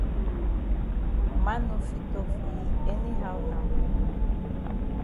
Man no fit tok for yi any how now.